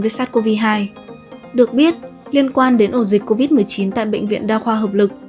với sars cov hai được biết liên quan đến ổ dịch covid một mươi chín tại bệnh viện đa khoa hợp lực